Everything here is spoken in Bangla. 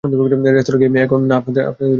রেস্তোরায় গিয়ে এখন না আপনাদের রোমান্স করার কথা?